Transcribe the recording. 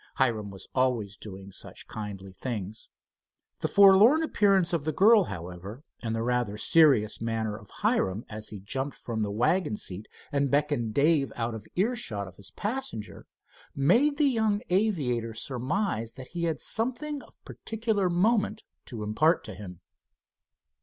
Hiram was always doing such kindly things. The forlorn appearance of the girl, however, and the rather serious manner of Hiram as he jumped from the wagon seat and beckoned Dave out of earshot of his passenger, made the young aviator surmise that he had something of particular moment to impart to him.